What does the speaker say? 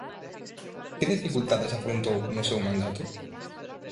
Que dificultades afrontou no seu mandato?